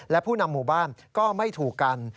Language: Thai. และผู้นำหมู่บ้านก็ไม่ถูกกัน